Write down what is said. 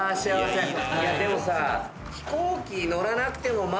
いやでもさ。